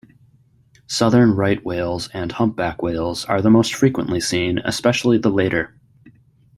Southern right whales and humpback whales are the most frequently seen especially the later.